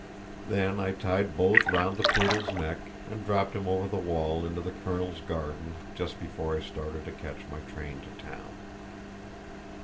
Then I tied both round the poodle's neck, and dropped him over the wall into the colonel's garden just before I started to catch my train to town.